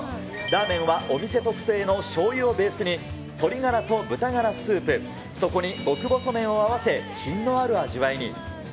ラーメンはお店特製のしょうゆをベースに、鶏ガラと豚ガラスープ、そこに極細麺を合わせ、品のある味わいに。